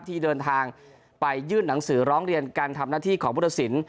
ที่เดินทางไปยื่นหนังสือร้องเรียนการทำหน้าที่ของพุทธศิลป